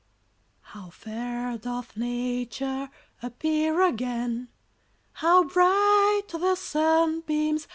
How fair doth Nature Appear again! How bright the sunbeams!